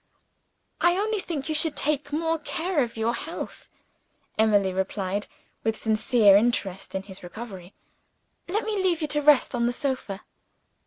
"I only think you should take more care of your health," Emily replied, with sincere interest in his recovery. "Let me leave you to rest on the sofa."